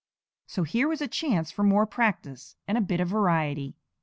So here was a chance for more practice and a bit of variety.